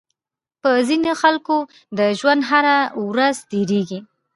په ځينې خلکو د ژوند هره ورځ تېرېږي.